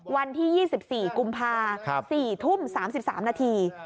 วันที่๒๔กุมภา๔ทุ่ม๓๓นาที